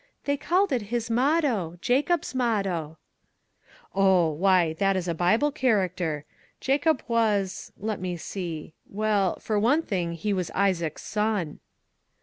They called it his motto :' Jacob's motto/ "" Oh ! Why, that is a Bible character. Jacob was let me see well, for one thing, he was Isaac's son."